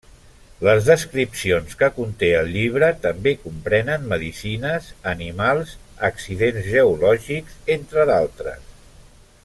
Les descripcions que conté el llibre també comprenen medicines, animals, accidents geològics, entre d'altres.